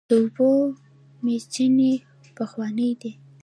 د اوبو میچنې پخوانۍ دي.